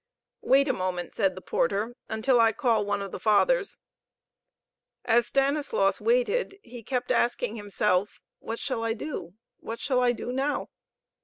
"Wait a moment," said the porter, "until I call one of the Fathers." As Stanislaus waited, he kept asking himself, "What shall I do? What shall I do now?"